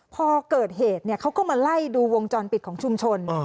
พอเกิดเหตุเขาก็มาไล่ดูวงจรปิดของชุมชน